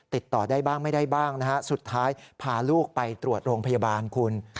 ติดต่อได้บ้างไม่ได้บ้างนะฮะสุดท้ายพาลูกไปตรวจโรงพยาบาลคุณ